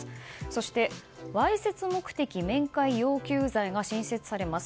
そしてわいせつ目的面会要求罪が新設されます。